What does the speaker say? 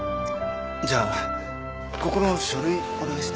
じゃあここの書類お願いします。